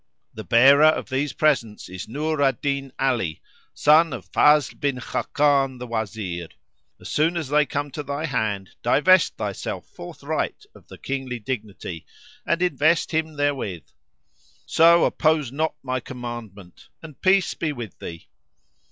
The bearer of these presents is Nur al Din Ali, son of Fazl bin Khákán the Wazir. As soon as they come to thy hand divest thyself forthright of the kingly dignity and invest him therewith; so oppose not my commandment and peace be with thee."